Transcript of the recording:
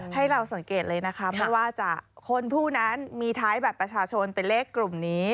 ให้เราสังเกตเลยนะคะไม่ว่าจะคนผู้นั้นมีท้ายบัตรประชาชนเป็นเลขกลุ่มนี้